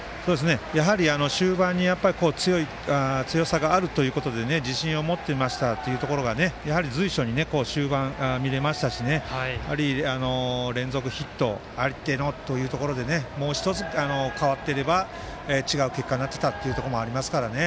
やはり終盤に強さがあるということで自信を持っていましたというところが随所に終盤、見れましたし連続ヒットがあってのというところでもう１つ変わっていれば、違う結果になっていたということもありますからね。